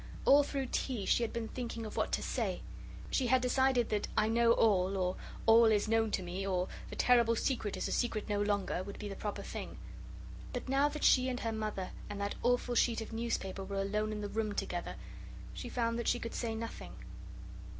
All through tea she had been thinking of what to say; she had decided that "I know all," or "All is known to me," or "The terrible secret is a secret no longer," would be the proper thing. But now that she and her Mother and that awful sheet of newspaper were alone in the room together, she found that she could say nothing.